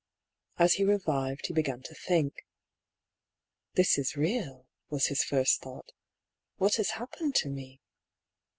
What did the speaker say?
As he revived he began to think. " This is real," was his first thought. " What has happened to me